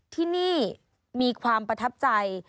ที่นี่มีความประทับใจ